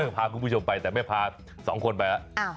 พาคุณผู้ชมไปแต่ไม่พาสองคนไปแล้ว